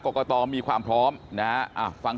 มาทำงานประมาณ๑๕๑๘ชั่วโมง